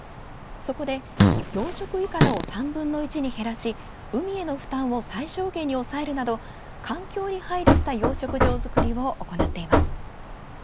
そこで、養殖いかだを３分の１に減らし海への負担を最小限に抑えるなど環境に配慮した養殖場作りを行っています。